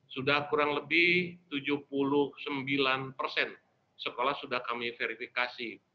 sudah kurang lebih tujuh puluh sembilan persen sekolah sudah kami verifikasi